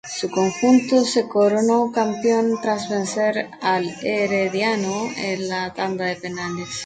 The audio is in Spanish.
Su conjunto se coronó campeón tras vencer al Herediano en la tanda de penales.